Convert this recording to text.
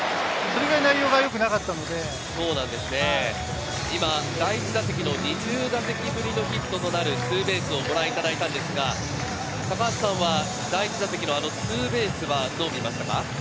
それぐらい内容が良くなかったので、いま第１打席の２０打席ぶりのヒットとなるツーベースをご覧いただいたんですが、高橋さんは第１打席のあのツーベースはどう見ましたか？